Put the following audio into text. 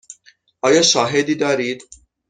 آیا شاهدی دارید؟